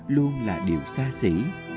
luôn là điều xa xỉ